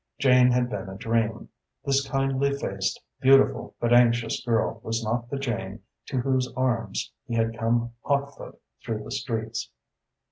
Jane had been a dream. This kindly faced, beautiful but anxious girl was not the Jane to whose arms he had come hotfoot through the streets.